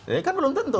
ya kan belum tentu